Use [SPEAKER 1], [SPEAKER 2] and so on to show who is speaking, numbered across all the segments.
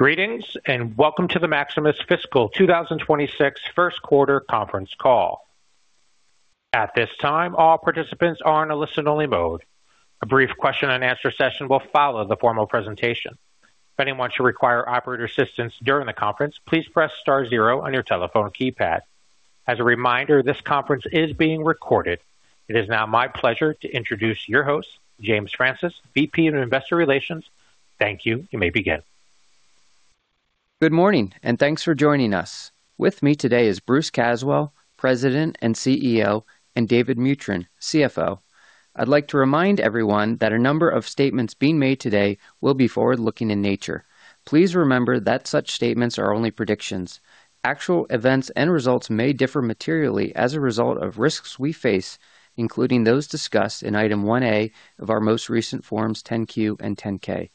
[SPEAKER 1] Greetings, and welcome to the Maximus Fiscal 2026 First Quarter Conference Call. At this time, all participants are in a listen-only mode. A brief question and answer session will follow the formal presentation. If anyone should require operator assistance during the conference, please press star zero on your telephone keypad. As a reminder, this conference is being recorded. It is now my pleasure to introduce your host, James Francis, VP of Investor Relations. Thank you. You may begin. Good morning, and thanks for joining us. With me today is Bruce Caswell, President and CEO, and David Mutryn, CFO. I'd like to remind everyone that a number of statements being made today will be forward-looking in nature. Please remember that such statements are only predictions. Actual events and results may differ materially as a result of risks we face, including those discussed in Item 1A of our most recent Forms 10-Q and 10-K.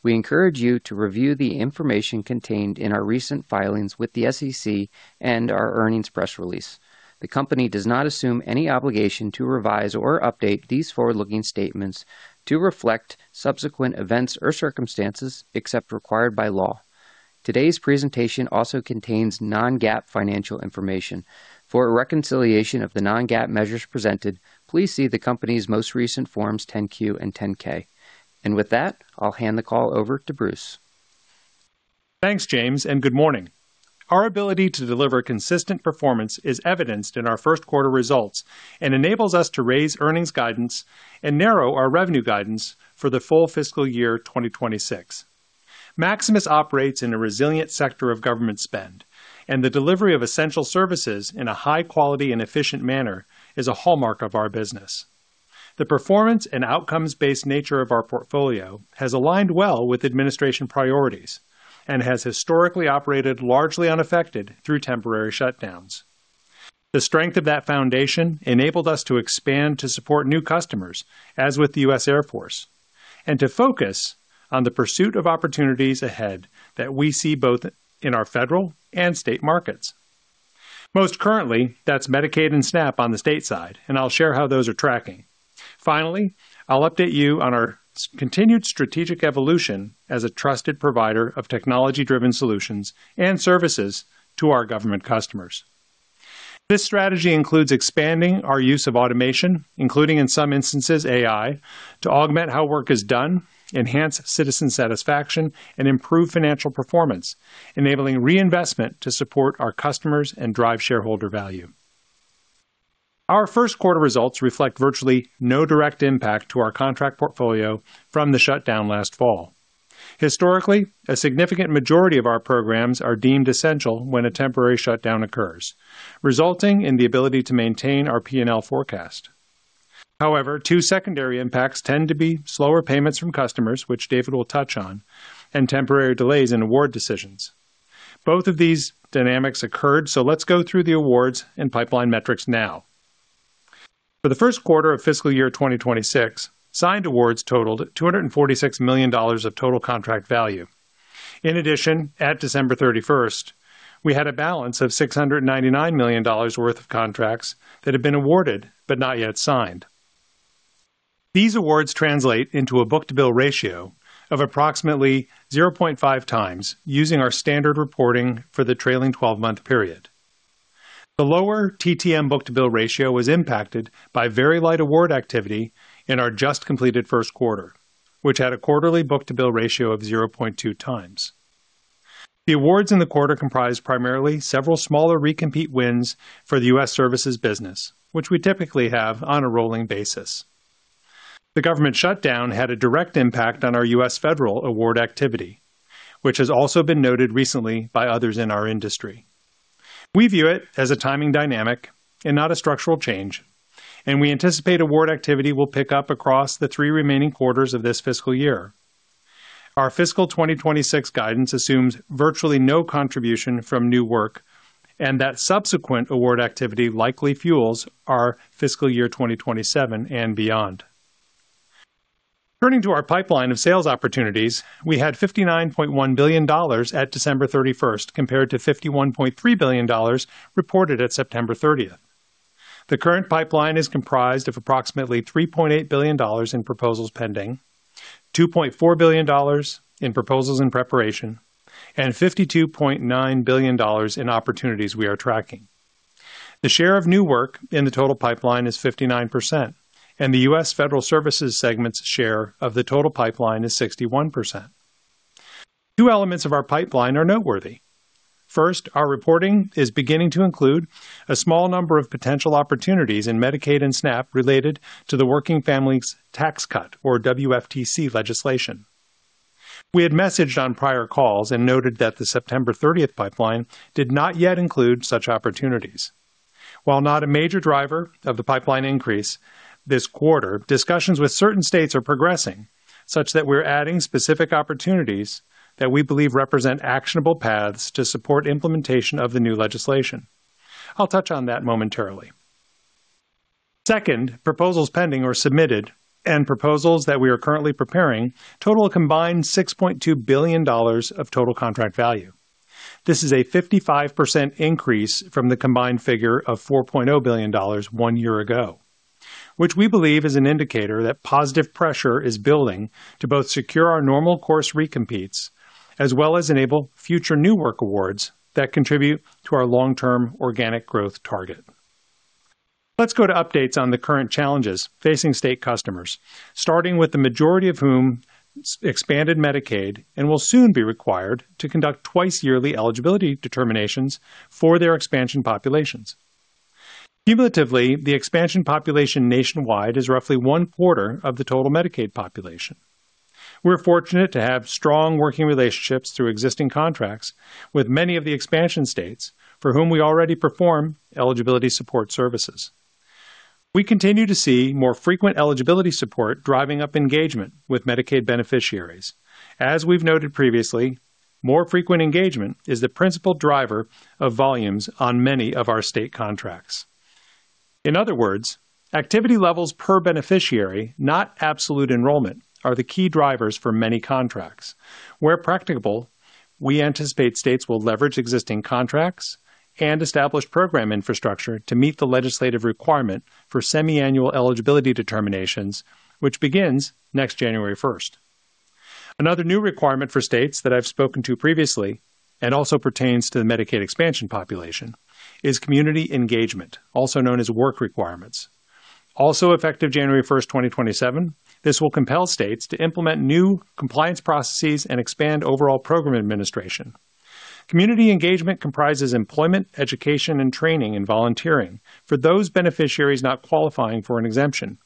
[SPEAKER 1] We encourage you to review the information contained in our recent filings with the SEC and our earnings press release. The company does not assume any obligation to revise or update these forward-looking statements to reflect subsequent events or circumstances, except required by law. Today's presentation also contains non-GAAP financial information. For a reconciliation of the non-GAAP measures presented, please see the company's most recent Forms 10-Q and 10-K. With that, I'll hand the call over to Bruce.
[SPEAKER 2] Thanks, James, and good morning. Our ability to deliver consistent performance is evidenced in our first quarter results and enables us to raise earnings guidance and narrow our revenue guidance for the full fiscal year 2026. Maximus operates in a resilient sector of government spend, and the delivery of essential services in a high quality and efficient manner is a hallmark of our business. The performance and outcomes-based nature of our portfolio has aligned well with administration priorities and has historically operated largely unaffected through temporary shutdowns. The strength of that foundation enabled us to expand to support new customers, as with the U.S. Air Force, and to focus on the pursuit of opportunities ahead that we see both in our federal and state markets. Most currently, that's Medicaid and SNAP on the state side, and I'll share how those are tracking. Finally, I'll update you on our continued strategic evolution as a trusted provider of technology-driven solutions and services to our government customers. This strategy includes expanding our use of automation, including, in some instances, AI, to augment how work is done, enhance citizen satisfaction, and improve financial performance, enabling reinvestment to support our customers and drive shareholder value. Our first quarter results reflect virtually no direct impact to our contract portfolio from the shutdown last fall. Historically, a significant majority of our programs are deemed essential when a temporary shutdown occurs, resulting in the ability to maintain our P&L forecast. However, two secondary impacts tend to be slower payments from customers, which David will touch on, and temporary delays in award decisions. Both of these dynamics occurred, so let's go through the awards and pipeline metrics now. For the first quarter of fiscal year 2026, signed awards totaled $246 million of total contract value. In addition, at December 31, we had a balance of $699 million worth of contracts that had been awarded but not yet signed. These awards translate into a book-to-Bill ratio of approximately 0.5x, using our standard reporting for the trailing twelve-month period. The lower TTM book-to-Bill ratio was impacted by very light award activity in our just completed first quarter, which had a quarterly book-to-bill ratio of 0.2x. The awards in the quarter comprised primarily several smaller recompete wins for the U.S. Services business, which we typically have on a rolling basis. The government shutdown had a direct impact on our U.S. Federal award activity, which has also been noted recently by others in our industry. We view it as a timing dynamic and not a structural change, and we anticipate award activity will pick up across the three remaining quarters of this fiscal year. Our fiscal 2026 guidance assumes virtually no contribution from new work, and that subsequent award activity likely fuels our fiscal year 2027 and beyond. Turning to our pipeline of sales opportunities, we had $59.1 billion at December 31, compared to $51.3 billion reported at September 30. The current pipeline is comprised of approximately $3.8 billion in proposals pending, $2.4 billion in proposals in preparation, and $52.9 billion in opportunities we are tracking. The share of new work in the total pipeline is 59%, and the U.S. Federal Services segment's share of the total pipeline is 61%. Two elements of our pipeline are noteworthy. First, our reporting is beginning to include a small number of potential opportunities in Medicaid and SNAP related to the Working Families Tax Cut, or WFTC, legislation. We had messaged on prior calls and noted that the September 30th pipeline did not yet include such opportunities. While not a major driver of the pipeline increase this quarter, discussions with certain states are progressing, such that we're adding specific opportunities that we believe represent actionable paths to support implementation of the new legislation. I'll touch on that momentarily. Second, proposals pending or submitted, and proposals that we are currently preparing total a combined $6.2 billion of total contract value. This is a 55% increase from the combined figure of $4.0 billion one year ago. which we believe is an indicator that positive pressure is building to both secure our normal course recompetes, as well as enable future new work awards that contribute to our long-term organic growth target. Let's go to updates on the current challenges facing state customers, starting with the majority of whom expanded Medicaid and will soon be required to conduct twice-yearly eligibility determinations for their expansion populations. Cumulatively, the expansion population nationwide is roughly one quarter of the total Medicaid population. We're fortunate to have strong working relationships through existing contracts with many of the expansion states for whom we already perform eligibility support services. We continue to see more frequent eligibility support driving up engagement with Medicaid beneficiaries. As we've noted previously, more frequent engagement is the principal driver of volumes on many of our state contracts. In other words, activity levels per beneficiary, not absolute enrollment, are the key drivers for many contracts. Where practicable, we anticipate states will leverage existing contracts and establish program infrastructure to meet the legislative requirement for semi-annual eligibility determinations, which begins next January 1. Another new requirement for states that I've spoken to previously, and also pertains to the Medicaid expansion population, is community engagement, also known as work requirements. Also effective January 1, 2027, this will compel states to implement new compliance processes and expand overall program administration. Community engagement comprises employment, education, and training, and volunteering for those beneficiaries not qualifying for an exemption.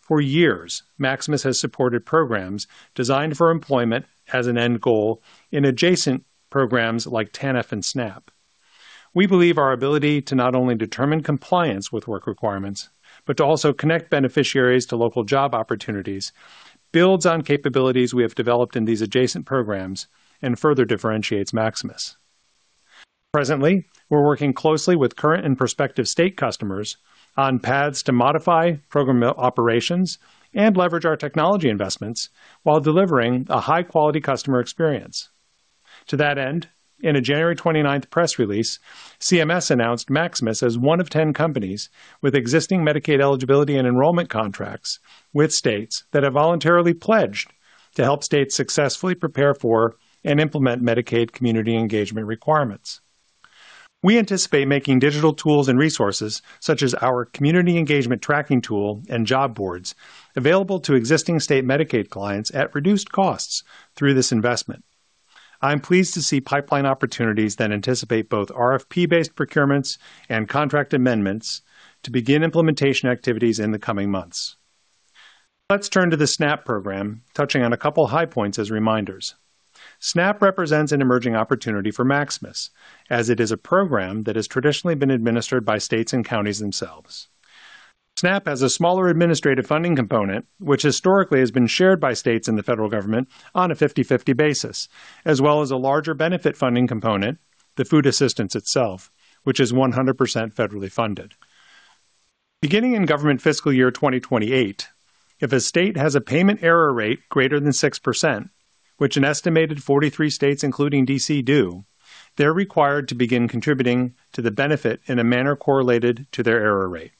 [SPEAKER 2] For years, Maximus has supported programs designed for employment as an end goal in adjacent programs like TANF and SNAP. We believe our ability to not only determine compliance with work requirements, but to also connect beneficiaries to local job opportunities, builds on capabilities we have developed in these adjacent programs and further differentiates Maximus. Presently, we're working closely with current and prospective state customers on paths to modify program operations and leverage our technology investments while delivering a high-quality customer experience. To that end, in a January 29th press release, CMS announced Maximus as one of 10 companies with existing Medicaid eligibility and enrollment contracts with states that have voluntarily pledged to help states successfully prepare for and implement Medicaid community engagement requirements. We anticipate making digital tools and resources, such as our community engagement tracking tool and job boards, available to existing state Medicaid clients at reduced costs through this investment. I'm pleased to see pipeline opportunities that anticipate both RFP-based procurements and contract amendments to begin implementation activities in the coming months. Let's turn to the SNAP program, touching on a couple high points as reminders. SNAP represents an emerging opportunity for Maximus, as it is a program that has traditionally been administered by states and counties themselves. SNAP has a smaller administrative funding component, which historically has been shared by states and the federal government on a 50/50 basis, as well as a larger benefit funding component, the food assistance itself, which is 100% federally funded. Beginning in government fiscal year 2028, if a state has a payment error rate greater than 6%, which an estimated 43 states, including D.C., do, they're required to begin contributing to the benefit in a manner correlated to their error rate.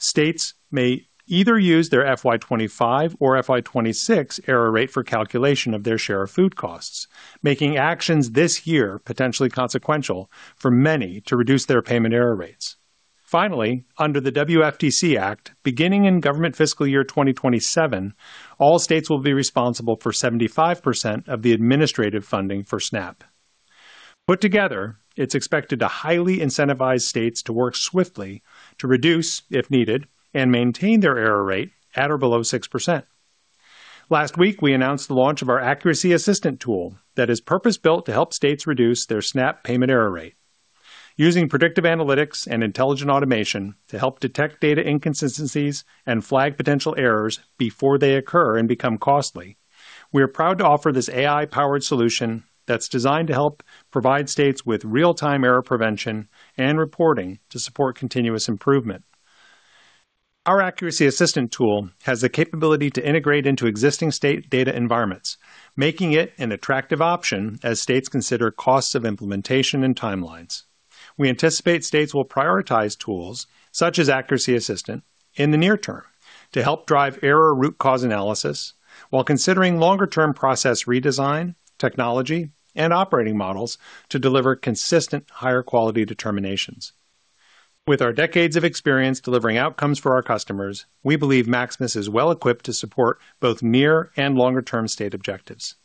[SPEAKER 2] States may either use their FY 2025 or FY 2026 error rate for calculation of their share of food costs, making actions this year potentially consequential for many to reduce their payment error rates. Finally, under the WFTC Act, beginning in government fiscal year 2027, all states will be responsible for 75% of the administrative funding for SNAP. Put together, it's expected to highly incentivize states to work swiftly to reduce, if needed, and maintain their error rate at or below 6%. Last week, we announced the launch of our Accuracy Assistant tool that is purpose-built to help states reduce their SNAP payment error rate. Using predictive analytics and intelligent automation to help detect data inconsistencies and flag potential errors before they occur and become costly, we are proud to offer this AI-powered solution that's designed to help provide states with real-time error prevention and reporting to support continuous improvement. Our Accuracy Assistant tool has the capability to integrate into existing state data environments, making it an attractive option as states consider costs of implementation and timelines. We anticipate states will prioritize tools such as Accuracy Assistant in the near term to help drive error root cause analysis, while considering longer-term process redesign, technology, and operating models to deliver consistent, higher-quality determinations. With our decades of experience delivering outcomes for our customers, we believe Maximus is well-equipped to support both near and longer-term state objectives.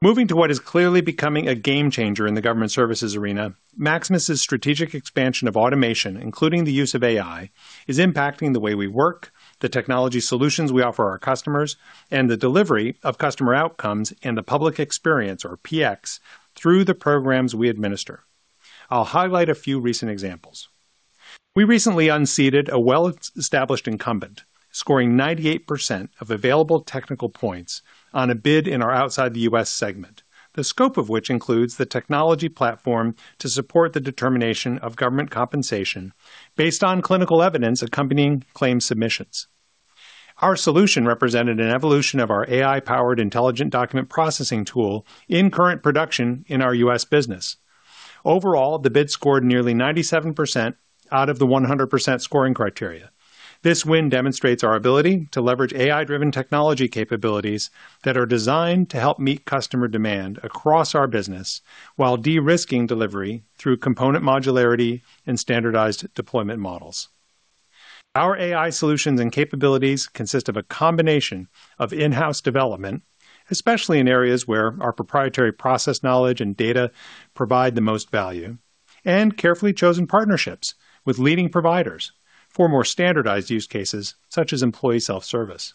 [SPEAKER 2] Moving to what is clearly becoming a game changer in the government services arena, Maximus's strategic expansion of automation, including the use of AI, is impacting the way we work, the technology solutions we offer our customers, and the delivery of customer outcomes and the public experience, or PX, through the programs we administer. I'll highlight a few recent examples. We recently unseated a well-established incumbent, scoring 98% of available technical points on a bid in our outside the U.S. segment, the scope of which includes the technology platform to support the determination of government compensation based on clinical evidence accompanying claims submissions.... Our solution represented an evolution of our AI-powered intelligent document processing tool in current production in our U.S. business. Overall, the bid scored nearly 97% out of the 100% scoring criteria. This win demonstrates our ability to leverage AI-driven technology capabilities that are designed to help meet customer demand across our business, while de-risking delivery through component modularity and standardized deployment models. Our AI solutions and capabilities consist of a combination of in-house development, especially in areas where our proprietary process knowledge and data provide the most value, and carefully chosen partnerships with leading providers for more standardized use cases, such as employee self-service.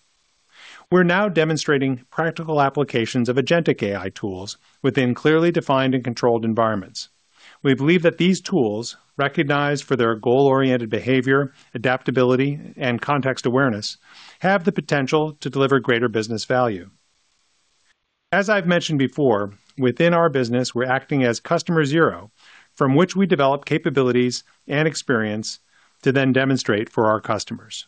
[SPEAKER 2] We're now demonstrating practical applications of Agentic AI tools within clearly defined and controlled environments. We believe that these tools, recognized for their goal-oriented behavior, adaptability, and context awareness, have the potential to deliver greater business value. As I've mentioned before, within our business, we're acting as customer zero, from which we develop capabilities and experience to then demonstrate for our customers.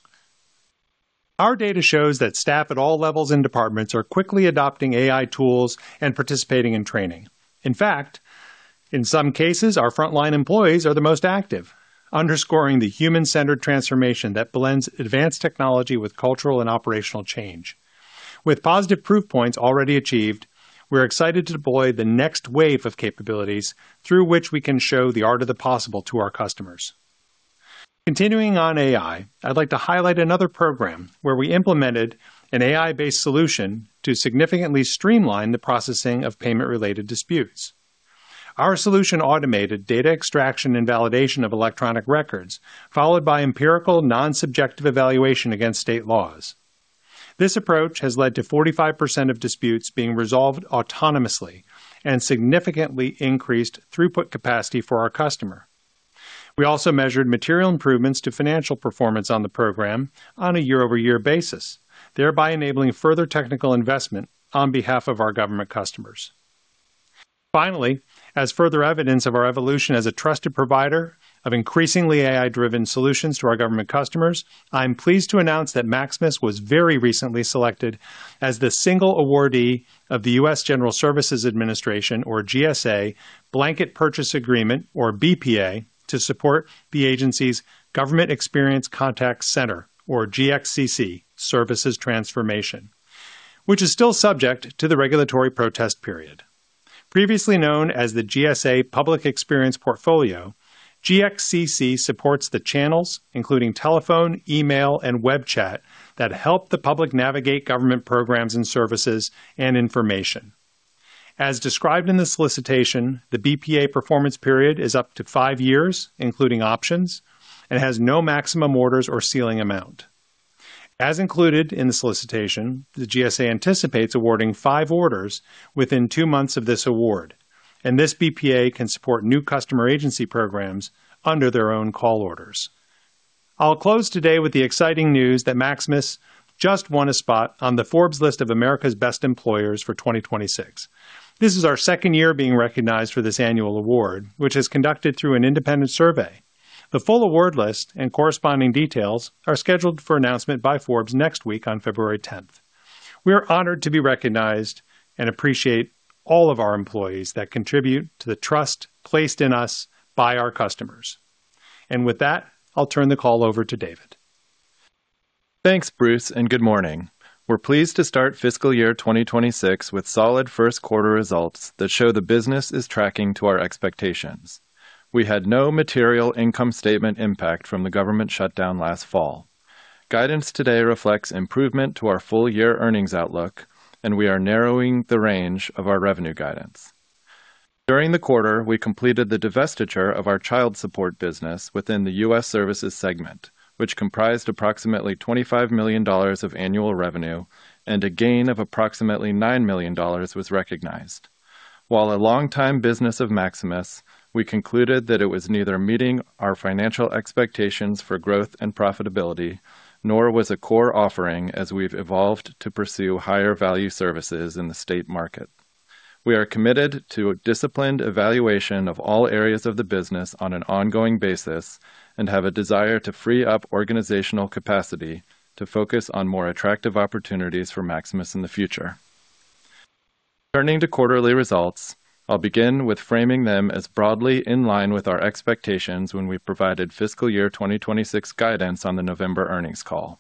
[SPEAKER 2] Our data shows that staff at all levels and departments are quickly adopting AI tools and participating in training. In fact, in some cases, our frontline employees are the most active, underscoring the human-centered transformation that blends advanced technology with cultural and operational change. With positive proof points already achieved, we're excited to deploy the next wave of capabilities through which we can show the art of the possible to our customers. Continuing on AI, I'd like to highlight another program where we implemented an AI-based solution to significantly streamline the processing of payment-related disputes. Our solution automated data extraction and validation of electronic records, followed by empirical, non-subjective evaluation against state laws. This approach has led to 45% of disputes being resolved autonomously and significantly increased throughput capacity for our customer. We also measured material improvements to financial performance on the program on a year-over-year basis, thereby enabling further technical investment on behalf of our government customers. Finally, as further evidence of our evolution as a trusted provider of increasingly AI-driven solutions to our government customers, I'm pleased to announce that Maximus was very recently selected as the single awardee of the U.S. General Services Administration, or GSA, Blanket Purchase Agreement, or BPA, to support the agency's Government Experience Contact Center, or gXCC, services transformation, which is still subject to the regulatory protest period. Previously known as the GSA Public Experience Portfolio, gXCC supports the channels, including telephone, email, and web chat, that help the public navigate government programs and services, and information. As described in the solicitation, the BPA performance period is up to five years, including options, and has no maximum orders or ceiling amount. As included in the solicitation, the GSA anticipates awarding 5 orders within 2 months of this award, and this BPA can support new customer agency programs under their own call orders. I'll close today with the exciting news that Maximus just won a spot on the Forbes list of America's Best Employers for 2026. This is our second year being recognized for this annual award, which is conducted through an independent survey. The full award list and corresponding details are scheduled for announcement by Forbes next week on February 10. We are honored to be recognized and appreciate all of our employees that contribute to the trust placed in us by our customers. With that, I'll turn the call over to David.
[SPEAKER 3] Thanks, Bruce, and good morning. We're pleased to start fiscal year 2026 with solid first quarter results that show the business is tracking to our expectations. We had no material income statement impact from the government shutdown last fall. Guidance today reflects improvement to our full-year earnings outlook, and we are narrowing the range of our revenue guidance. During the quarter, we completed the divestiture of our child support business within the U.S. Services segment, which comprised approximately $25 million of annual revenue, and a gain of approximately $9 million was recognized. While a longtime business of Maximus, we concluded that it was neither meeting our financial expectations for growth and profitability, nor was a core offering as we've evolved to pursue higher-value services in the state market. We are committed to a disciplined evaluation of all areas of the business on an ongoing basis and have a desire to free up organizational capacity to focus on more attractive opportunities for Maximus in the future. Turning to quarterly results, I'll begin with framing them as broadly in line with our expectations when we provided fiscal year 2026 guidance on the November earnings call.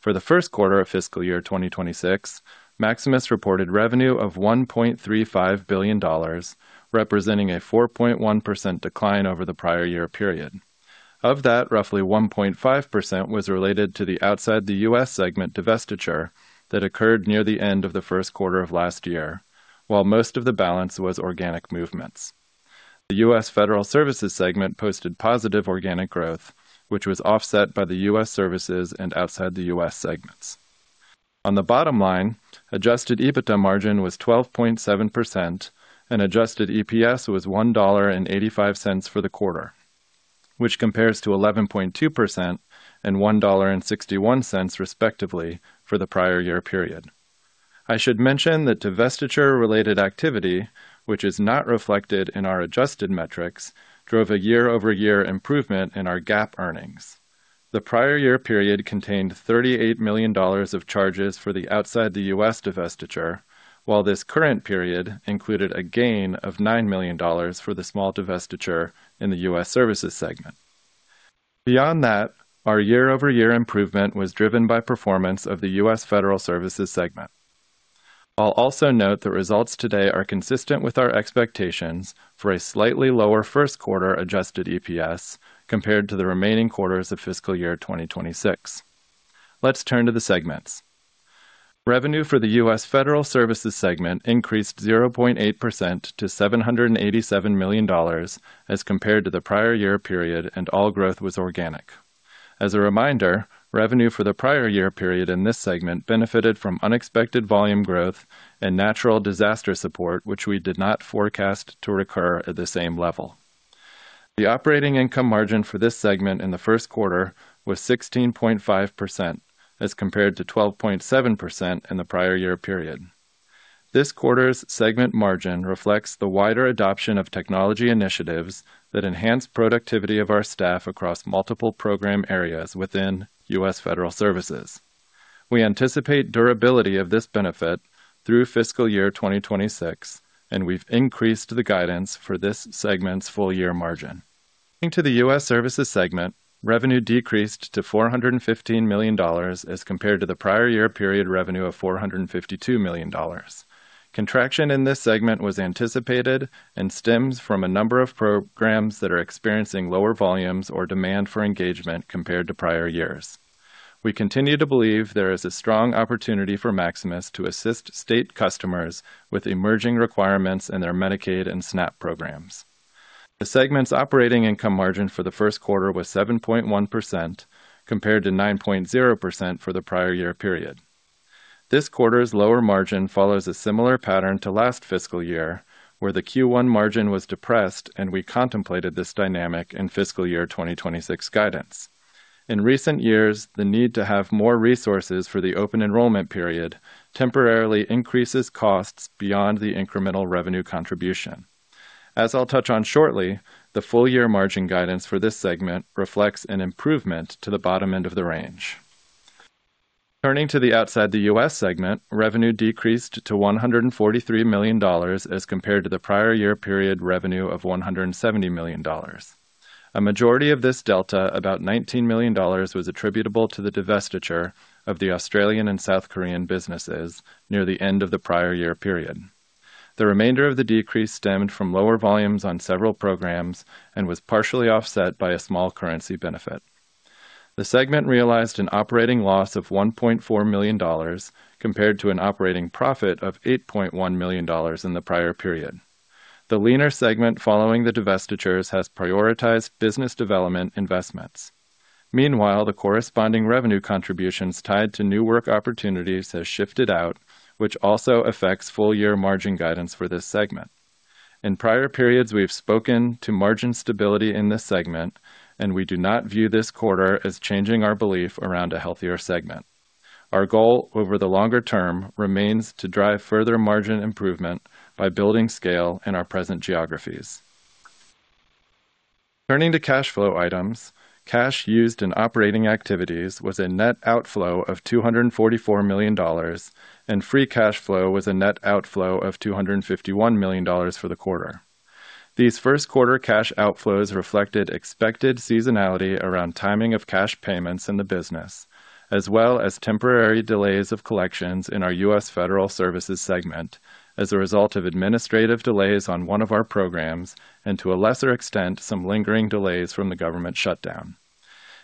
[SPEAKER 3] For the first quarter of fiscal year 2026, Maximus reported revenue of $1.35 billion, representing a 4.1% decline over the prior year period. Of that, roughly 1.5% was related to the outside the U.S. segment divestiture that occurred near the end of the first quarter of last year, while most of the balance was organic movements. The U.S. Federal Services segment posted positive organic growth, which was offset by the U.S. Services and outside the U.S. segments. On the bottom line, adjusted EBITDA margin was 12.7% and adjusted EPS was $1.85 for the quarter, which compares to 11.2% and $1.61, respectively, for the prior year period. I should mention that divestiture-related activity, which is not reflected in our adjusted metrics, drove a year-over-year improvement in our GAAP earnings. The prior year period contained $38 million of charges for the outside the U.S. divestiture, while this current period included a gain of $9 million for the small divestiture in the U.S. Services segment. Beyond that, our year-over-year improvement was driven by performance of the U.S. Federal Services segment. I'll also note the results today are consistent with our expectations for a slightly lower first quarter adjusted EPS compared to the remaining quarters of fiscal year 2026. Let's turn to the segments. Revenue for the US Federal Services segment increased 0.8% to $787 million as compared to the prior year period, and all growth was organic. As a reminder, revenue for the prior year period in this segment benefited from unexpected volume growth and natural disaster support, which we did not forecast to recur at the same level. The operating income margin for this segment in the first quarter was 16.5%, as compared to 12.7% in the prior year period. This quarter's segment margin reflects the wider adoption of technology initiatives that enhance productivity of our staff across multiple program areas within US Federal Services. We anticipate durability of this benefit through fiscal year 2026, and we've increased the guidance for this segment's full-year margin. Turning to the U.S. Services segment, revenue decreased to $415 million as compared to the prior year period revenue of $452 million. Contraction in this segment was anticipated and stems from a number of programs that are experiencing lower volumes or demand for engagement compared to prior years. We continue to believe there is a strong opportunity for Maximus to assist state customers with emerging requirements in their Medicaid and SNAP programs. The segment's operating income margin for the first quarter was 7.1%, compared to 9.0% for the prior year period. This quarter's lower margin follows a similar pattern to last fiscal year, where the Q1 margin was depressed, and we contemplated this dynamic in fiscal year 2026 guidance. In recent years, the need to have more resources for the open enrollment period temporarily increases costs beyond the incremental revenue contribution. As I'll touch on shortly, the full-year margin guidance for this segment reflects an improvement to the bottom end of the range. Turning to the outside the US segment, revenue decreased to $143 million as compared to the prior year period revenue of $170 million. A majority of this delta, about $19 million, was attributable to the divestiture of the Australian and South Korean businesses near the end of the prior year period. The remainder of the decrease stemmed from lower volumes on several programs and was partially offset by a small currency benefit. The segment realized an operating loss of $1.4 million, compared to an operating profit of $8.1 million in the prior period. The leaner segment, following the divestitures, has prioritized business development investments. Meanwhile, the corresponding revenue contributions tied to new work opportunities has shifted out, which also affects full-year margin guidance for this segment. In prior periods, we've spoken to margin stability in this segment, and we do not view this quarter as changing our belief around a healthier segment. Our goal over the longer term remains to drive further margin improvement by building scale in our present geographies. Turning to cash flow items, cash used in operating activities was a net outflow of $244 million, and Free Cash Flow was a net outflow of $251 million for the quarter. These first quarter cash outflows reflected expected seasonality around timing of cash payments in the business, as well as temporary delays of collections in our US Federal Services segment as a result of administrative delays on one of our programs, and to a lesser extent, some lingering delays from the government shutdown.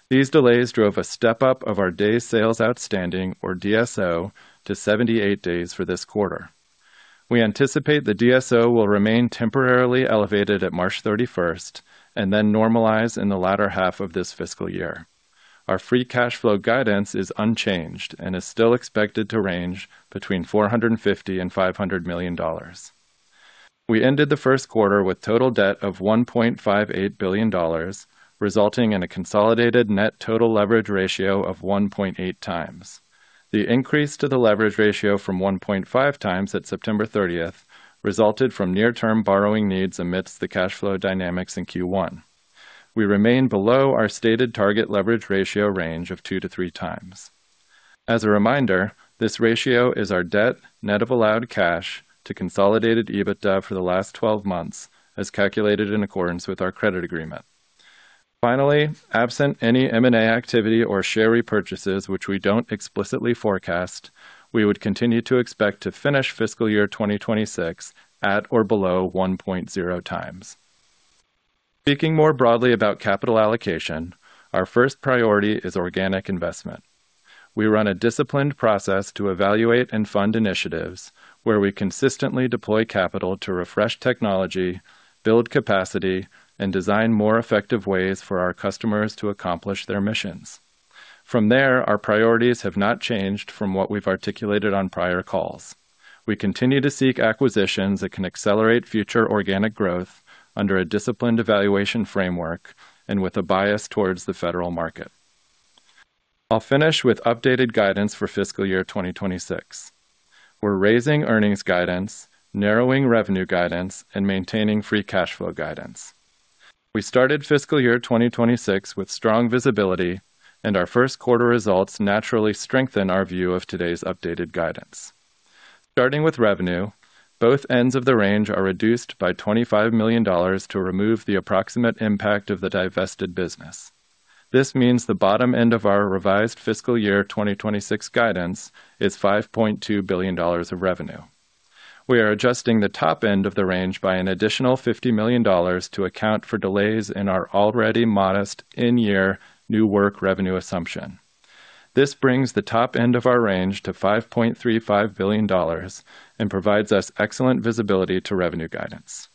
[SPEAKER 3] These delays drove a step-up of our Days Sales Outstanding, or DSO, to 78 days for this quarter. We anticipate the DSO will remain temporarily elevated at March thirty-first and then normalize in the latter half of this fiscal year. Our free cash flow guidance is unchanged and is still expected to range between $450 million and $500 million. We ended the first quarter with total debt of $1.58 billion, resulting in a consolidated net total leverage ratio of 1.8 times. The increase to the leverage ratio from 1.5 times at September thirtieth, resulted from near-term borrowing needs amidst the cash flow dynamics in Q1. We remain below our stated target leverage ratio range of 2-3 times. As a reminder, this ratio is our debt, net of allowed cash, to consolidated EBITDA for the last 12 months, as calculated in accordance with our credit agreement. Finally, absent any M&A activity or share repurchases, which we don't explicitly forecast, we would continue to expect to finish fiscal year 2026 at or below 1.0 times. Speaking more broadly about capital allocation, our first priority is organic investment. We run a disciplined process to evaluate and fund initiatives where we consistently deploy capital to refresh technology, build capacity, and design more effective ways for our customers to accomplish their missions. From there, our priorities have not changed from what we've articulated on prior calls. We continue to seek acquisitions that can accelerate future organic growth under a disciplined evaluation framework and with a bias towards the federal market.... I'll finish with updated guidance for fiscal year 2026. We're raising earnings guidance, narrowing revenue guidance, and maintaining free cash flow guidance. We started fiscal year 2026 with strong visibility, and our first quarter results naturally strengthen our view of today's updated guidance. Starting with revenue, both ends of the range are reduced by $25 million to remove the approximate impact of the divested business. This means the bottom end of our revised fiscal year 2026 guidance is $5.2 billion of revenue. We are adjusting the top end of the range by an additional $50 million to account for delays in our already modest in-year new work revenue assumption. This brings the top end of our range to $5.35 billion and provides us excellent visibility to revenue guidance.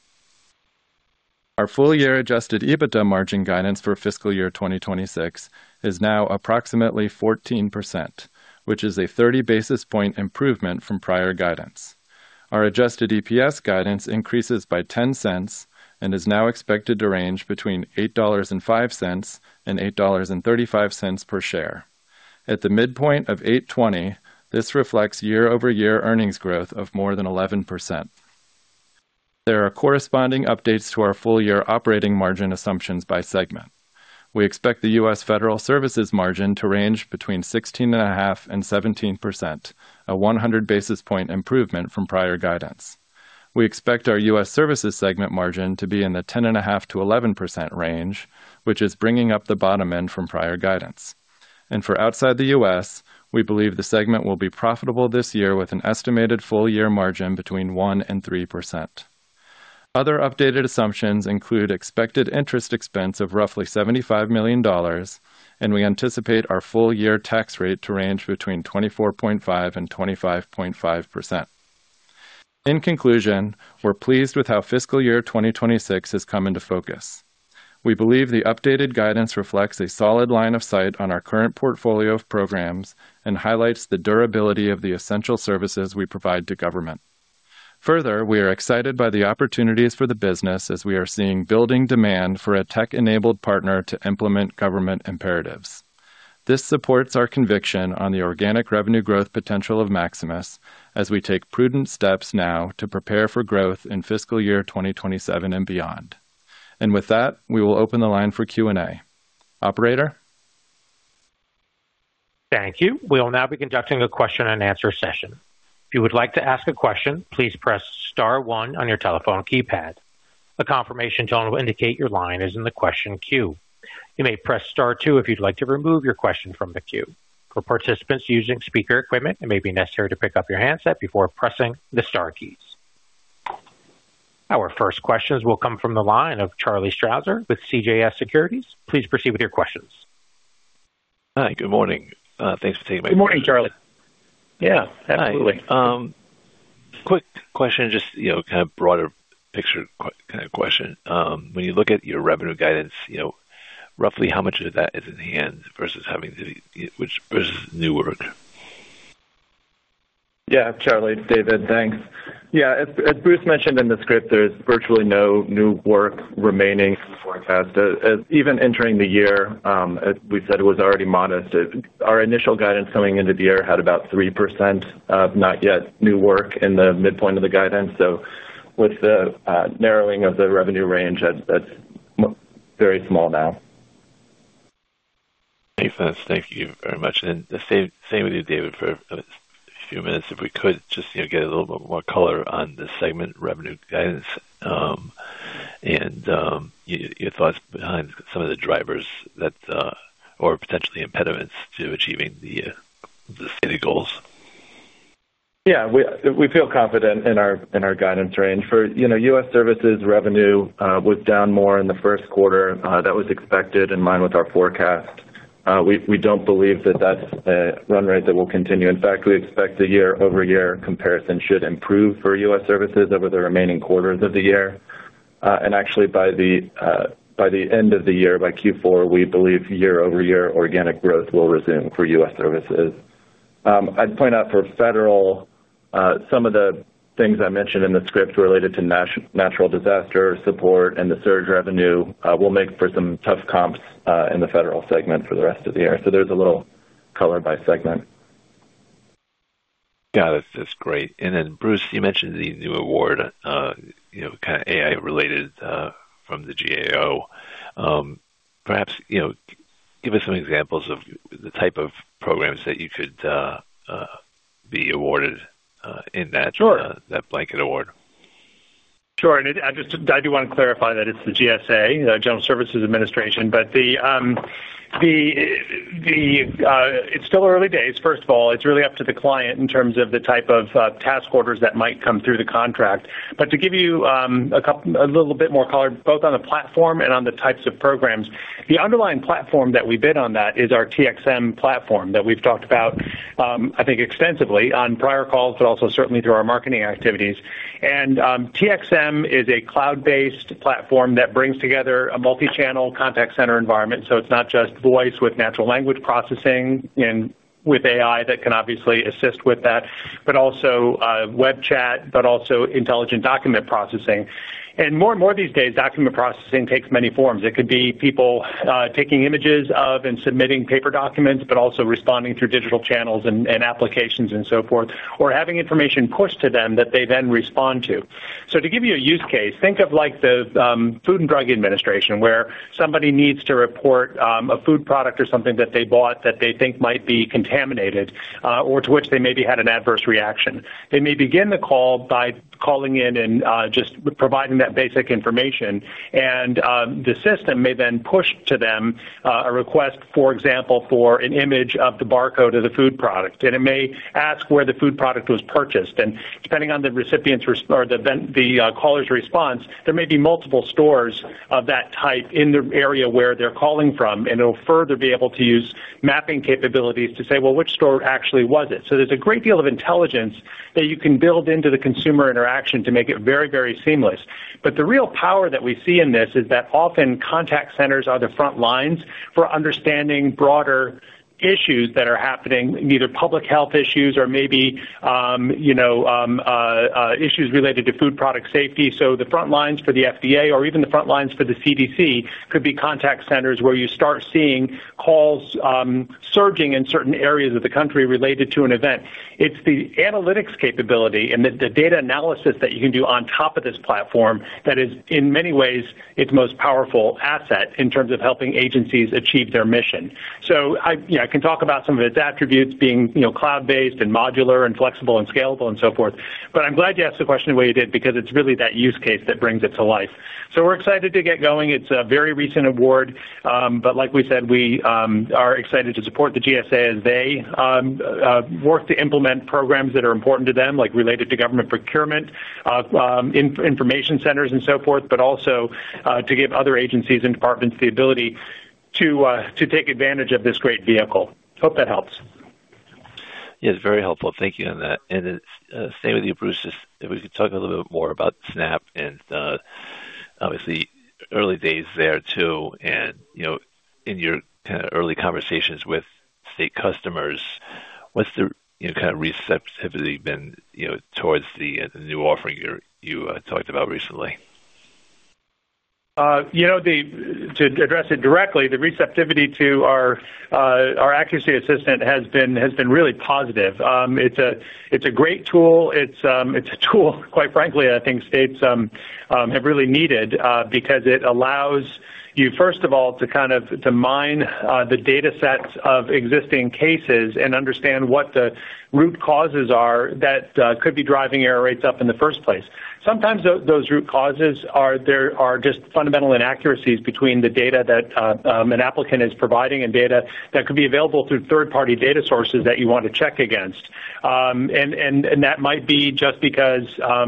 [SPEAKER 3] Our full year adjusted EBITDA margin guidance for fiscal year 2026 is now approximately 14%, which is a 30 basis point improvement from prior guidance. Our adjusted EPS guidance increases by ten cents and is now expected to range between $8.05 and $8.35 per share. At the midpoint of $8.20, this reflects year-over-year earnings growth of more than 11%. There are corresponding updates to our full-year operating margin assumptions by segment. We expect the U.S. Federal Services margin to range between 16.5% and 17%, a 100 basis point improvement from prior guidance. We expect our U.S. Services segment margin to be in the 10.5%-11% range, which is bringing up the bottom end from prior guidance. For Outside the U.S. we believe the segment will be profitable this year with an estimated full year margin between 1% and 3%. Other updated assumptions include expected interest expense of roughly $75 million, and we anticipate our full year tax rate to range between 24.5% and 25.5%. In conclusion, we're pleased with how fiscal year 2026 has come into focus. We believe the updated guidance reflects a solid line of sight on our current portfolio of programs and highlights the durability of the essential services we provide to government. Further, we are excited by the opportunities for the business as we are seeing building demand for a tech-enabled partner to implement government imperatives. This supports our conviction on the organic revenue growth potential of Maximus as we take prudent steps now to prepare for growth in fiscal year 2027 and beyond. And with that, we will open the line for Q&A. Operator?
[SPEAKER 1] Thank you. We will now be conducting a question-and-answer session. If you would like to ask a question, please press star one on your telephone keypad. A confirmation tone will indicate your line is in the question queue. You may press star two if you'd like to remove your question from the queue. For participants using speaker equipment, it may be necessary to pick up your handset before pressing the star keys. Our first questions will come from the line of Charlie Strauzer with CJS Securities. Please proceed with your questions.
[SPEAKER 4] Hi, good morning. Thanks for taking my-
[SPEAKER 3] Good morning, Charlie.
[SPEAKER 4] Yeah, absolutely. Quick question, just, you know, kind of broader picture kind of question. When you look at your revenue guidance, you know, roughly how much of that is in hand versus new work?
[SPEAKER 3] Yeah. Charlie, it's David. Thanks. Yeah, as, as Bruce mentioned in the script, there's virtually no new work remaining in the forecast. Even entering the year, as we said, it was already modest. Our initial guidance coming into the year had about 3% of not yet new work in the midpoint of the guidance. So with the narrowing of the revenue range, that's very small now.
[SPEAKER 4] Thanks. Thank you very much. And then the same with you, David, for a few minutes, if we could just, you know, get a little bit more color on the segment revenue guidance, and your thoughts behind some of the drivers that, or potentially impediments to achieving the, the stated goals.
[SPEAKER 3] Yeah, we feel confident in our guidance range. For, you know, U.S. Services revenue was down more in the first quarter that was expected in line with our forecast. We don't believe that that's a run rate that will continue. In fact, we expect the year-over-year comparison should improve for U.S. Services over the remaining quarters of the year. And actually, by the end of the year, by Q4, we believe year-over-year organic growth will resume for U.S. Services. I'd point out for federal some of the things I mentioned in the script related to natural disaster support and the surge revenue will make for some tough comps in the federal segment for the rest of the year. So there's a little color by segment.
[SPEAKER 4] Got it. That's great. Then, Bruce, you mentioned the new award, you know, kind of AI-related, from the GSA. Perhaps, you know, give us some examples of the type of programs that you could be awarded in that-
[SPEAKER 3] Sure.
[SPEAKER 4] - that blanket award....
[SPEAKER 2] Sure. And I just, I do want to clarify that it's the GSA, General Services Administration, but it's still early days. First of all, it's really up to the client in terms of the type of task orders that might come through the contract. But to give you a little bit more color, both on the platform and on the types of programs, the underlying platform that we bid on that is our TXM platform that we've talked about, I think, extensively on prior calls, but also certainly through our marketing activities. And TXM is a cloud-based platform that brings together a multi-channel contact center environment. So it's not just voice with natural language processing and with AI that can obviously assist with that, but also web chat, but also intelligent document processing. More and more these days, document processing takes many forms. It could be people taking images of and submitting paper documents, but also responding through digital channels and applications and so forth, or having information pushed to them that they then respond to. So to give you a use case, think of like the Food and Drug Administration, where somebody needs to report a food product or something that they bought that they think might be contaminated or to which they maybe had an adverse reaction. They may begin the call by calling in and just providing that basic information, and the system may then push to them a request, for example, for an image of the barcode of the food product, and it may ask where the food product was purchased. And depending on the recipient's residence or the vendor, the caller's response, there may be multiple stores of that type in the area where they're calling from, and it'll further be able to use mapping capabilities to say, well, which store actually was it? So there's a great deal of intelligence that you can build into the consumer interaction to make it very, very seamless. But the real power that we see in this is that often contact centers are the front lines for understanding broader issues that are happening, either public health issues or maybe, you know, issues related to food product safety. So the front lines for the FDA or even the front lines for the CDC could be contact centers, where you start seeing calls surging in certain areas of the country related to an event. It's the analytics capability and the data analysis that you can do on top of this platform that is, in many ways, its most powerful asset in terms of helping agencies achieve their mission. So I, you know, I can talk about some of its attributes being, you know, cloud-based and modular and flexible and scalable and so forth, but I'm glad you asked the question the way you did, because it's really that use case that brings it to life. So we're excited to get going. It's a very recent award, but like we said, we are excited to support the GSA as they work to implement programs that are important to them, like related to government procurement, information centers and so forth, but also, to give other agencies and departments the ability to take advantage of this great vehicle. Hope that helps.
[SPEAKER 4] Yes, very helpful. Thank you on that. And stay with you, Bruce, if we could talk a little bit more about SNAP and, obviously, early days there, too. And, you know, in your kind of early conversations with state customers, what's the, you know, kind of receptivity been, you know, towards the new offering you talked about recently?
[SPEAKER 2] You know, to address it directly, the receptivity to our Accuracy Assistant has been really positive. It's a great tool. It's a tool, quite frankly, I think states have really needed, because it allows you, first of all, to kind of mine the data sets of existing cases and understand what the root causes are that could be driving error rates up in the first place. Sometimes those root causes are just fundamental inaccuracies between the data that an applicant is providing and data that could be available through third-party data sources that you want to check against. And that might be just because, you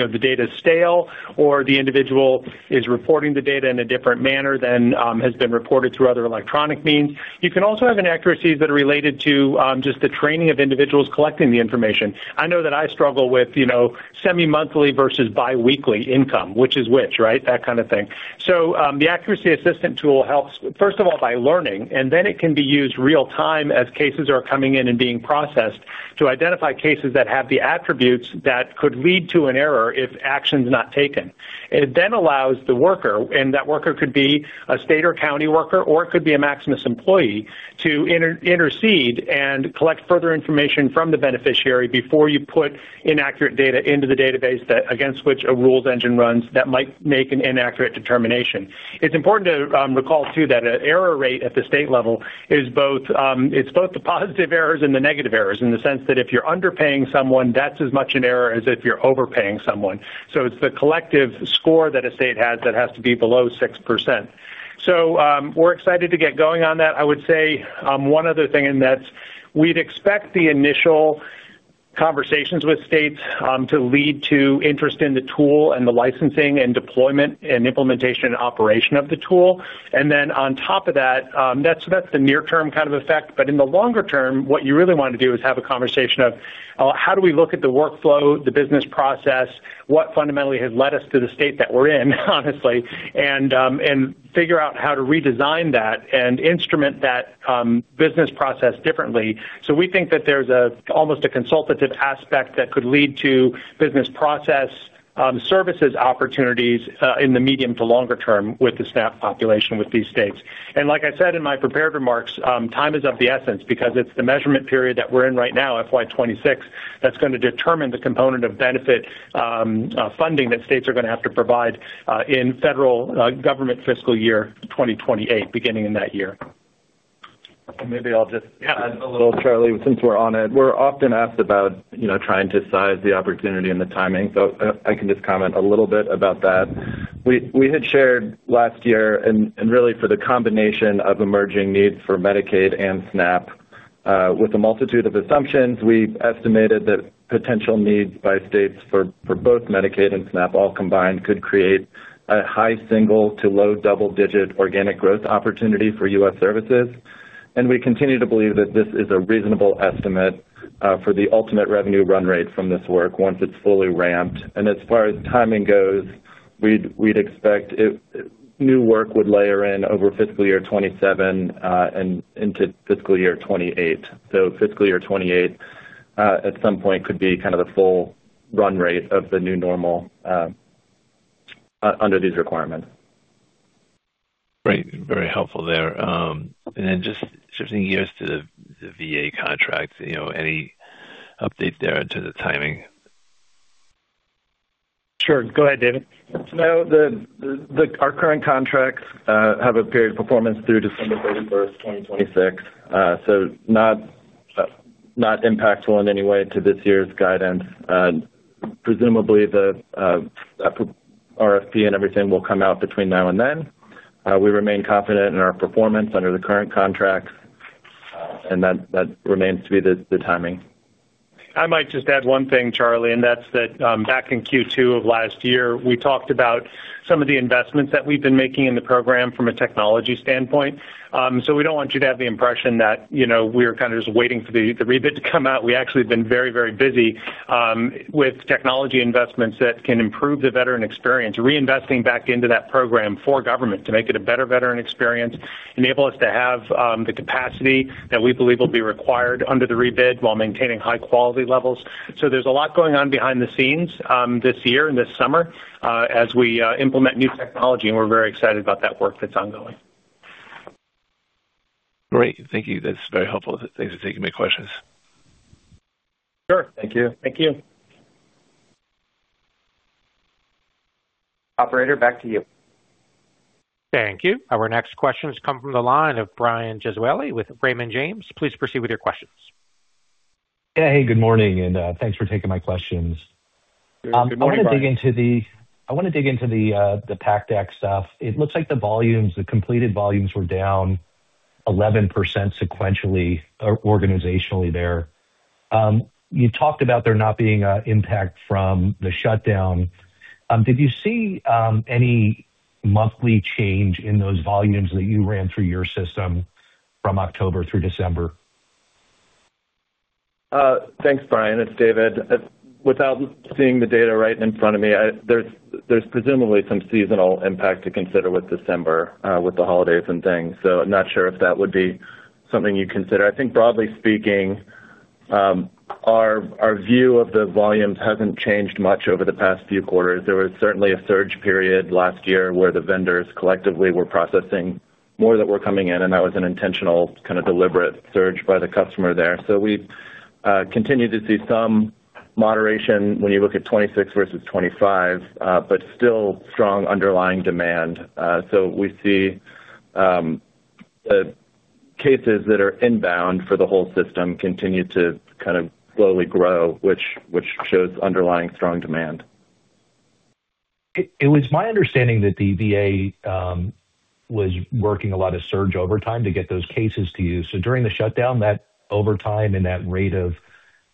[SPEAKER 2] know, the data is stale, or the individual is reporting the data in a different manner than has been reported through other electronic means. You can also have inaccuracies that are related to just the training of individuals collecting the information. I know that I struggle with, you know, semi-monthly versus biweekly income, which is which, right? That kind of thing. So, the Accuracy Assistant tool helps, first of all, by learning, and then it can be used real time as cases are coming in and being processed, to identify cases that have the attributes that could lead to an error if action's not taken. It then allows the worker, and that worker could be a state or county worker, or it could be a Maximus employee, to intercede and collect further information from the beneficiary before you put inaccurate data into the database that against which a rules engine runs, that might make an inaccurate determination. It's important to recall, too, that an error rate at the state level is both, it's both the positive errors and the negative errors, in the sense that if you're underpaying someone, that's as much an error as if you're overpaying someone. So it's the collective score that a state has that has to be below 6%. So, we're excited to get going on that. I would say, one other thing, and that's we'd expect the initial conversations with states, to lead to interest in the tool and the licensing and deployment and implementation and operation of the tool. And then on top of that, that's, that's the near-term kind of effect. But in the longer term, what you really want to do is have a conversation of, how do we look at the workflow, the business process, what fundamentally has led us to the state that we're in, honestly, and, and figure out how to redesign that and instrument that, business process differently. So we think that there's a almost a consultative aspect that could lead to business process, services opportunities, in the medium to longer term with the staff population with these states. Like I said in my prepared remarks, time is of the essence because it's the measurement period that we're in right now, FY 2026, that's going to determine the component of benefit funding that states are going to have to provide in federal government fiscal year 2028, beginning in that year. ...
[SPEAKER 3] Maybe I'll just add a little, Charlie, since we're on it. We're often asked about, you know, trying to size the opportunity and the timing, so I can just comment a little bit about that. We had shared last year, and really for the combination of emerging needs for Medicaid and SNAP, with a multitude of assumptions, we estimated that potential needs by states for both Medicaid and SNAP all combined, could create a high single to low double-digit organic growth opportunity for U.S. Services. And we continue to believe that this is a reasonable estimate for the ultimate revenue run rate from this work once it's fully ramped. And as far as timing goes, we'd expect it, new work would layer in over fiscal year 2027, and into fiscal year 2028. Fiscal year 2028 at some point could be kind of the full run rate of the new normal under these requirements.
[SPEAKER 4] Great. Very helpful there. And then just shifting gears to the VA contract, you know, any update there to the timing?
[SPEAKER 3] Sure. Go ahead, David. So our current contracts have a period of performance through December 31, 2026. So not impactful in any way to this year's guidance. Presumably, the RFP and everything will come out between now and then. We remain confident in our performance under the current contract, and that remains to be the timing. I might just add one thing, Charlie, and that's that back in Q2 of last year, we talked about some of the investments that we've been making in the program from a technology standpoint. So we don't want you to have the impression that, you know, we're kind of just waiting for the rebid to come out. We actually have been very, very busy with technology investments that can improve the veteran experience, reinvesting back into that program for government to make it a better veteran experience, enable us to have the capacity that we believe will be required under the rebid while maintaining high quality levels. So there's a lot going on behind the scenes this year and this summer as we implement new technology, and we're very excited about that work that's ongoing.
[SPEAKER 4] Great. Thank you. That's very helpful. Thanks for taking my questions.
[SPEAKER 3] Sure. Thank you. Thank you. Operator, back to you.
[SPEAKER 1] Thank you. Our next question has come from the line of Brian Gesuale with Raymond James. Please proceed with your questions.
[SPEAKER 5] Hey, good morning, and, thanks for taking my questions.
[SPEAKER 3] Good morning, Brian.
[SPEAKER 5] I want to dig into the PACT Act stuff. It looks like the volumes, the completed volumes were down 11% sequentially, organizationally there. You talked about there not being an impact from the shutdown. Did you see any monthly change in those volumes that you ran through your system from October through December?
[SPEAKER 3] Thanks, Brian. It's David. Without seeing the data right in front of me, there's presumably some seasonal impact to consider with December, with the holidays and things, so I'm not sure if that would be something you'd consider. I think broadly speaking, our view of the volumes hasn't changed much over the past few quarters. There was certainly a surge period last year where the vendors collectively were processing more that were coming in, and that was an intentional, kind of deliberate surge by the customer there. So we continue to see some moderation when you look at 2026 versus 2025, but still strong underlying demand. So we see, the cases that are inbound for the whole system continue to kind of slowly grow, which shows underlying strong demand.
[SPEAKER 5] It was my understanding that the VA was working a lot of surge overtime to get those cases to you. So during the shutdown, that overtime and that rate of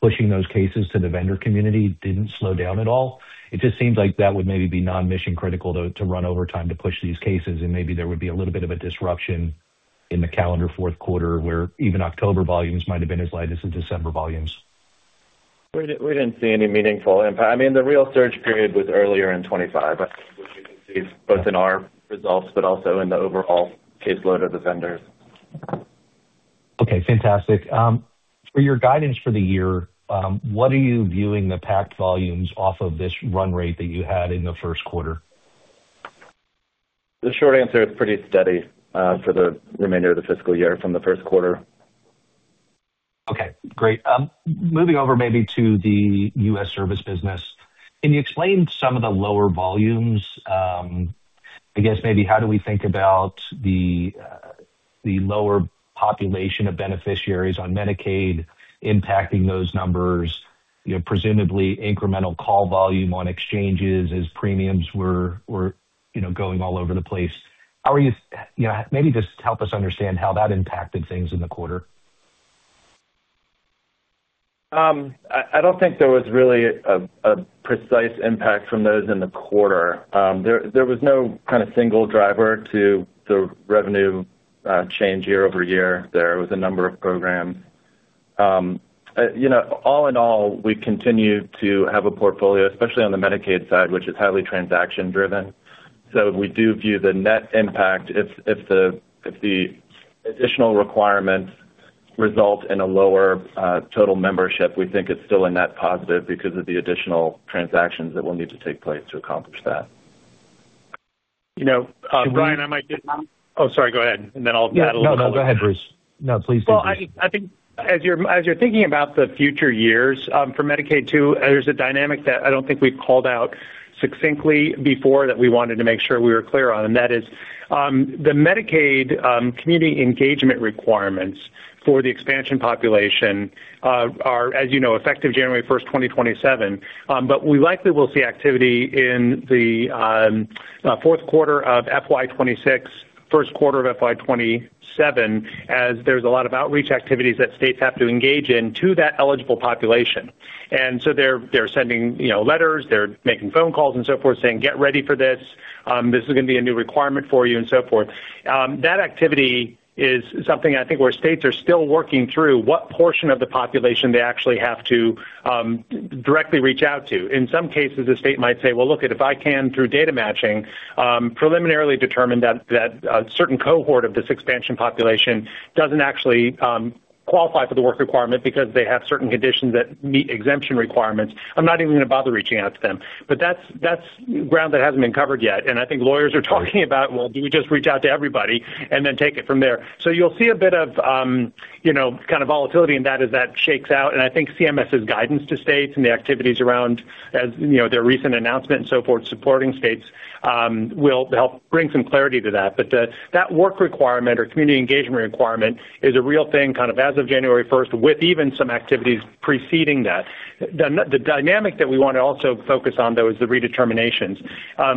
[SPEAKER 5] pushing those cases to the vendor community didn't slow down at all? It just seems like that would maybe be non-mission critical to run overtime to push these cases, and maybe there would be a little bit of a disruption in the calendar fourth quarter, where even October volumes might have been as light as the December volumes.
[SPEAKER 3] We didn't see any meaningful impact. I mean, the real surge period was earlier in 2025, I think, which you can see both in our results but also in the overall caseload of the vendors.
[SPEAKER 5] Okay, fantastic. For your guidance for the year, what are you viewing the PACT volumes off of this run rate that you had in the first quarter?
[SPEAKER 3] The short answer is pretty steady, for the remainder of the fiscal year from the first quarter.
[SPEAKER 5] Okay, great. Moving over maybe to the U.S. Services business, can you explain some of the lower volumes? I guess maybe how do we think about the lower population of beneficiaries on Medicaid impacting those numbers, you know, presumably incremental call volume on exchanges as premiums were, you know, going all over the place. How are you... Yeah, maybe just help us understand how that impacted things in the quarter.
[SPEAKER 3] I don't think there was really a precise impact from those in the quarter. There was no kind of single driver to the revenue change year-over-year. There was a number of programs. You know, all in all, we continue to have a portfolio, especially on the Medicaid side, which is highly transaction-driven. So we do view the net impact if the additional requirements result in a lower total membership; we think it's still a net positive because of the additional transactions that will need to take place to accomplish that. You know, Brian, I might just-
[SPEAKER 5] Um-
[SPEAKER 2] Oh, sorry, go ahead, and then I'll add a little bit.
[SPEAKER 3] No, no, go ahead, Bruce. No, please do....
[SPEAKER 2] As you're thinking about the future years, for Medicaid too, there's a dynamic that I don't think we've called out succinctly before that we wanted to make sure we were clear on, and that is, the Medicaid community engagement requirements for the expansion population, are, as you know, effective January 1, 2027. But we likely will see activity in the fourth quarter of FY 2026, first quarter of FY 2027, as there's a lot of outreach activities that states have to engage in to that eligible population. And so they're sending, you know, letters, they're making phone calls, and so forth, saying, "Get ready for this. This is gonna be a new requirement for you," and so forth. That activity is something I think where states are still working through what portion of the population they actually have to directly reach out to. In some cases, the state might say, "Well, look, if I can, through data matching, preliminarily determine that a certain cohort of this expansion population doesn't actually qualify for the work requirement because they have certain conditions that meet exemption requirements, I'm not even gonna bother reaching out to them." But that's ground that hasn't been covered yet, and I think lawyers are talking about, well, do we just reach out to everybody and then take it from there? So you'll see a bit of, you know, kind of volatility, and that as that shakes out. And I think CMS's guidance to states and the activities around, as, you know, their recent announcement and so forth, supporting states, will help bring some clarity to that. But that work requirement or community engagement requirement is a real thing, kind of, as of January first, with even some activities preceding that. The dynamic that we want to also focus on, though, is the redeterminations.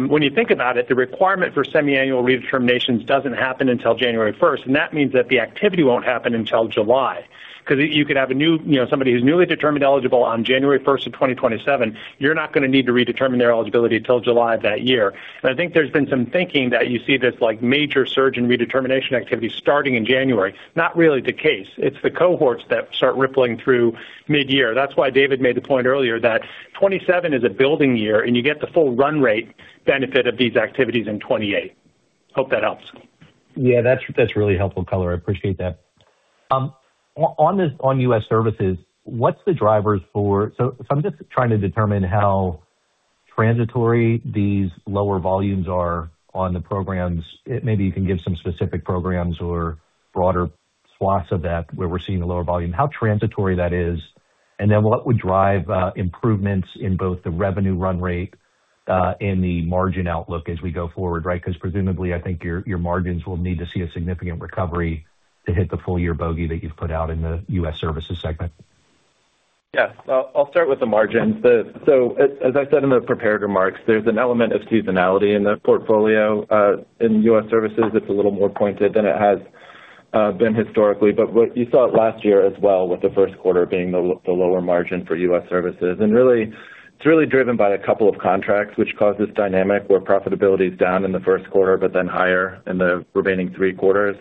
[SPEAKER 2] When you think about it, the requirement for semiannual redeterminations doesn't happen until January first, and that means that the activity won't happen until July. 'Cause you could have a new, you know, somebody who's newly determined eligible on January first of 2027, you're not gonna need to redetermine their eligibility till July of that year. And I think there's been some thinking that you see this, like, major surge in redetermination activity starting in January. Not really the case. It's the cohorts that start rippling through midyear. That's why David made the point earlier, that 2027 is a building year, and you get the full run rate benefit of these activities in 2028. Hope that helps.
[SPEAKER 5] Yeah, that's, that's really helpful color. I appreciate that. On this, on U.S. Services, what's the drivers for... So, so I'm just trying to determine how transitory these lower volumes are on the programs. Maybe you can give some specific programs or broader swaths of that, where we're seeing the lower volume, how transitory that is, and then what would drive improvements in both the revenue run rate, and the margin outlook as we go forward, right? Because presumably, I think your, your margins will need to see a significant recovery to hit the full year bogey that you've put out in the U.S. Services segment.
[SPEAKER 3] Yeah. I'll start with the margins. So as I said in the prepared remarks, there's an element of seasonality in the portfolio. In U.S. Services, it's a little more pointed than it has been historically, but what you saw it last year as well, with the first quarter being the lower margin for U.S. Services. And really, it's really driven by a couple of contracts which cause this dynamic, where profitability is down in the first quarter, but then higher in the remaining three quarters.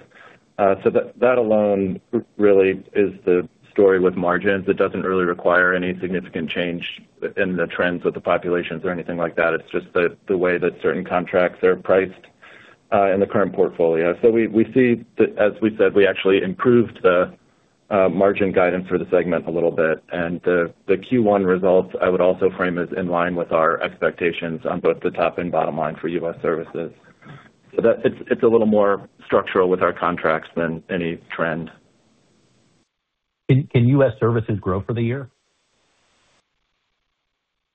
[SPEAKER 3] So that alone really is the story with margins. It doesn't really require any significant change in the trends with the populations or anything like that. It's just the way that certain contracts are priced in the current portfolio. So we see, as we said, we actually improved the margin guidance for the segment a little bit, and the Q1 results, I would also frame, is in line with our expectations on both the top and bottom line for U.S. Services. So that it's a little more structural with our contracts than any trend.
[SPEAKER 5] Can U.S. Services grow for the year?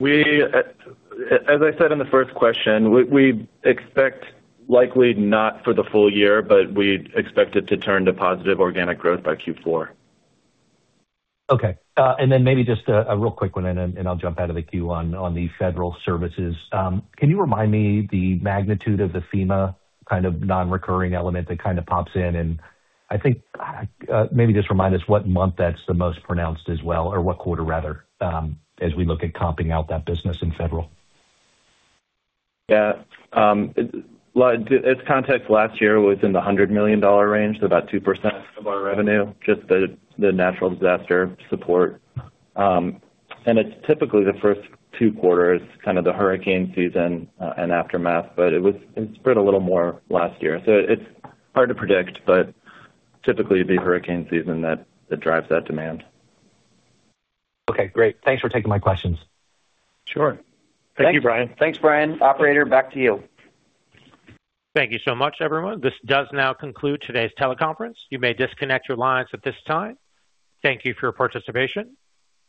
[SPEAKER 3] We, as I said in the first question, we expect likely not for the full year, but we expect it to turn to positive organic growth by Q4.
[SPEAKER 5] Okay. And then maybe just a real quick one, and then I'll jump out of the queue on the Federal Services. Can you remind me the magnitude of the FEMA kind of nonrecurring element that kind of pops in? And I think, maybe just remind us what month that's the most pronounced as well, or what quarter rather, as we look at comping out that business in Federal.
[SPEAKER 3] Yeah. Well, its context last year was in the $100 million range, so about 2% of our revenue, just the natural disaster support. And it's typically the first two quarters, kind of the hurricane season, and aftermath, but it was, it spread a little more last year. So it's hard to predict, but typically it'd be hurricane season that drives that demand.
[SPEAKER 5] Okay, great. Thanks for taking my questions.
[SPEAKER 3] Sure.
[SPEAKER 2] Thank you, Brian.
[SPEAKER 5] Thanks, Brian. Operator, back to you.
[SPEAKER 1] Thank you so much, everyone. This does now conclude today's teleconference. You may disconnect your lines at this time. Thank you for your participation,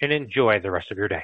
[SPEAKER 1] and enjoy the rest of your day.